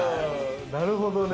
なるほどね。